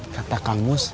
kata kang mus